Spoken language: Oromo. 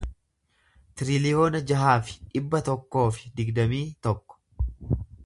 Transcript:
tiriliyoona jaha fi dhibba tokkoo fi digdamii tokko